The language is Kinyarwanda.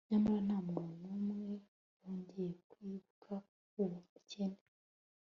nyamara nta muntu n'umwe wongeye kwibuka uwo mukene